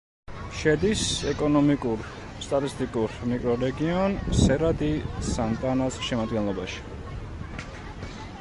შედის ეკონომიკურ-სტატისტიკურ მიკრორეგიონ სერა-დი-სანტანას შემადგენლობაში.